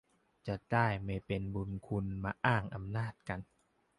จะได้ไม่เป็นบุญคุณมาอ้างอำนาจกัน